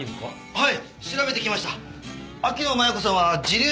はい。